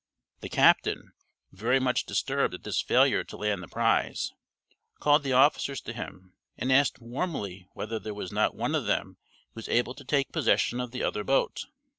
The captain, very much disturbed at this failure to land the prize, called the officers to him and asked warmly whether there was not one of them who was able to take possession of the other boat.